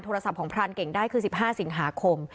โทรศัพท์ของพรานเก่งได้คือ๑๕สิงหาคม